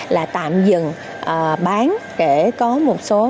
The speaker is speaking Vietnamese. là tạm dừng bán để có một số